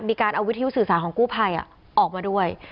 มีการเอาวิธีภูมิสื่อสารของกู้ไพอกมาด้วย